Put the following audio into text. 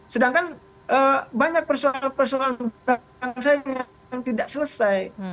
sedangkan banyak persoalan persoalan bangsa yang tidak selesai